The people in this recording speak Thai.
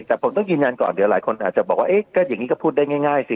แต่ผมต้องยืนยันก่อนเดี๋ยวหลายคนอาจจะบอกว่าก็อย่างนี้ก็พูดได้ง่ายสิ